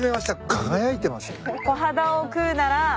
輝いてますよね。